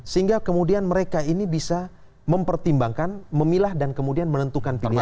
sehingga kemudian mereka ini bisa mempertimbangkan memilah dan kemudian menentukan pilihan